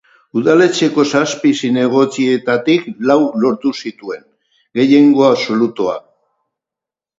Udaletxeko zazpi zinegotzietatik lau lortu zituen, gehiengo absolutoa.